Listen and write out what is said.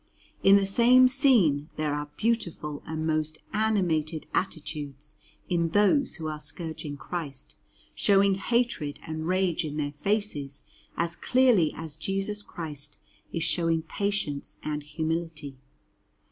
In the same scene there are beautiful and most animated attitudes in those who are scourging Christ, showing hatred and rage in their faces as clearly as Jesus Christ is showing patience and humility.